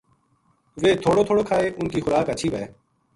ویہ تھوڑو تھوڑو کھائے اُنھ کی خوراک ہچھی ہووے۔